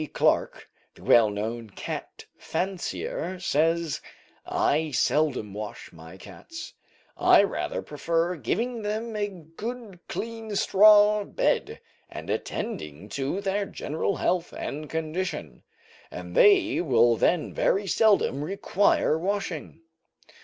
Clarke, the well known cat fancier, says: "I seldom wash my cats, I rather prefer giving them a good clean straw bed, and attending to their general health and condition, and they will then very seldom require washing.